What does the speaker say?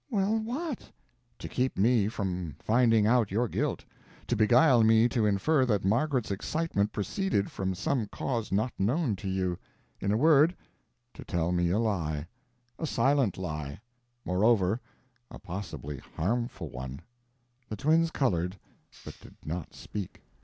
"Well, what?" "To keep me from finding out your guilt; to beguile me to infer that Margaret's excitement proceeded from some cause not known to you. In a word, to tell me a lie a silent lie. Moreover, a possibly harmful one." The twins colored, but did not speak.